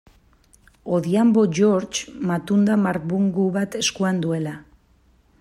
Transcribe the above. Odhiambo George, matunda marbungu bat eskuan duela.